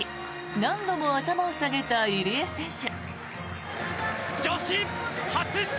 何度も頭を下げた入江選手。